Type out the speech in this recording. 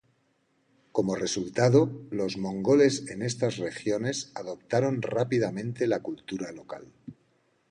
Como resultado, los mongoles en estas regiones adoptaron rápidamente la cultura local.